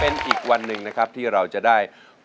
ลูกทุ่งสู้ชีวิต